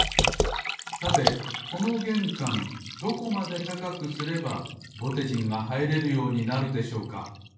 さてこのげんかんどこまで高くすればぼてじんがはいれるようになるでしょうか？